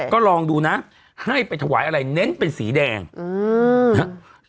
ก็ลองดูนะให้ไปถวายอะไรเน้นเป็นสีแดงนะครับ